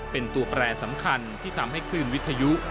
เป็นตัวแปรสำคัญที่ทำให้คลื่นวิทยุ